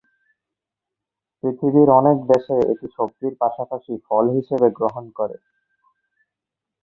পৃথিবীর অনেক দেশে এটি সবজির পাশাপাশি ফল হিসেবে গ্রহণ করে।